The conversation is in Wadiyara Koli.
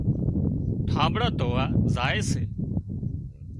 ٺانٻڙان ڌووا زائي سي